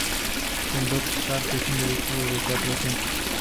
El "dog-cart" es un vehículo de cuatro asientos.